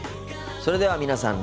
それでは皆さん